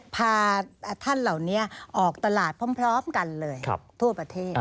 พาท่านเหล่านี้ออกตลาดพร้อมกันเลยทั่วประเทศ